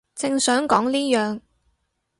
正想講呢樣